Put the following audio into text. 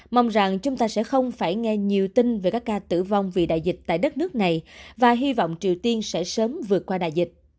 mong rằng chúng ta sẽ không phải nghe nhiều tin về các ca tử vong vì đại dịch tại đất nước này và hy vọng triều tiên sẽ sớm vượt qua đại dịch